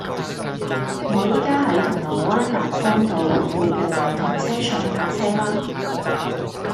我依家喺銅鑼灣蘭芳道，附近有停車場泊車嗎